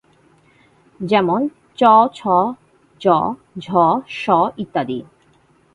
যেমন :চ ছ জ ঝ শ ইত্যাদি।